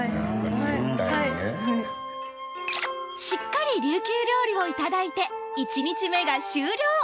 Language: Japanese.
しっかり琉球料理をいただいて１日目が終了